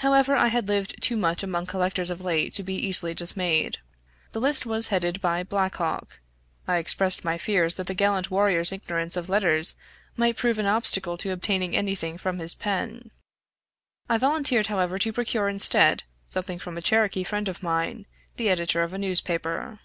However, I had lived too much among collectors of late to be easily dismayed. The list was headed by Black Hawk. I expressed my fears that the gallant warrior's ignorance of letters might prove an obstacle to obtaining any thing from his pen. I volunteered however to procure instead, something from a Cherokee friend of mine, the editor of a newspaper.